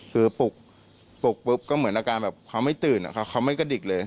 คือปลุกปุ๊บก็เหมือนอาการแบบเขาไม่ตื่นเขาไม่กระดิกเลย